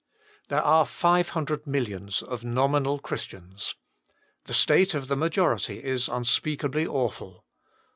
There arc five hundred millions of nominal Christians. The state of the majority is unspeakably awful.